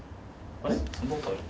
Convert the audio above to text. あれ？